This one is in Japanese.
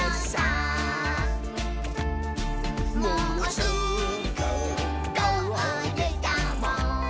「もうすぐゴールだもん」